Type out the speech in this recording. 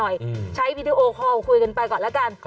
ไปห่างกันหน่อยใช้วีดีโอคอลคุยกันไปก่อนแล้วกัน